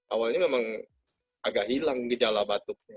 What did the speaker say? awalnya memang agak hilang gejala batuknya